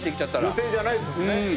予定じゃないですもんね。